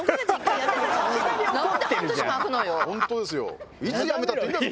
本当ですよ。